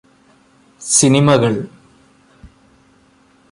സിനിമകള്